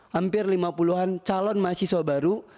hampir lima puluh an calon mahasiswa baru